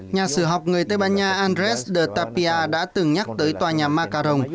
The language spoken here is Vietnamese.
nhà sử học người tây ban nha andres de tapia đã từng nhắc tới tòa nhà macaron